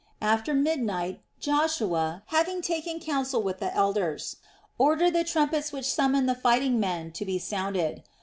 After midnight Joshua, having taken counsel with the elders, ordered the trumpets which summoned the fighting men to be sounded.